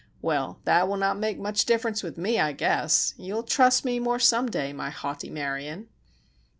"Well, that will not make much difference with me, I guess. You'll trust me more some day, my haughty Marion!"